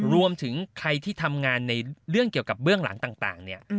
รวมถึงใครที่ทำงานในเรื่องเกี่ยวกับเบื้องหลังต่างเนี่ย